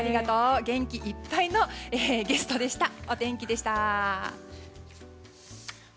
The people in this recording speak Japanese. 元気いっぱいのゲストでした。